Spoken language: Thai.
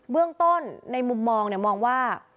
เบื้องต้นในมุมมองมองว่า